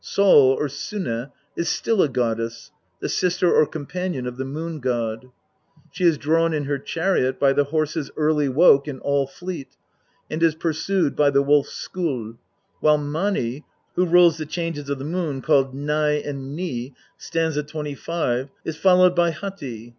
Sol or Sunne is still a goddess, the sister or companion of the Moon god. She is drawn in her chariot by the horses Early woke and All fleet, and is pursued by the wolf Skoll, while Mani, who rules the changes of the moon called Ny and Ni (st. 25, Grim.), is followed by Hati.